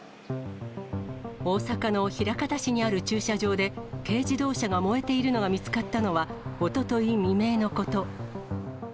大阪の枚方市にある駐車場で、軽自動車が燃えているのが見つかったのは、おととい未明のこと。